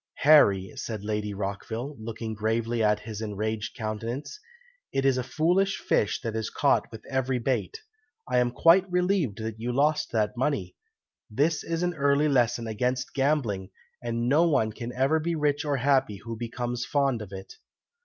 "Harry!" said Lady Rockville, looking gravely at his enraged countenance, "it is a foolish fish that is caught with every bait! I am quite relieved that you lost that money. This is an early lesson against gambling, and no one can ever be rich or happy who becomes fond of it.